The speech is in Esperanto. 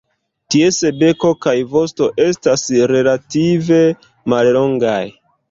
Ties beko kaj vosto estas relative mallongaj.